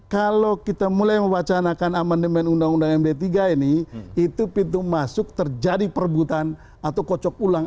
kalau kita mulai mewacanakan amandemen undang undang md tiga ini itu pintu masuk terjadi perbutan atau kocok ulang